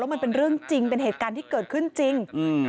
มันเป็นเรื่องจริงเป็นเหตุการณ์ที่เกิดขึ้นจริง